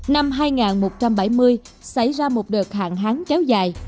năm hai nghìn một trăm bảy mươi xảy ra một đợt hạn hán kéo dài